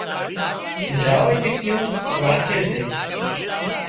جاور ٽِڪيُون راکي سي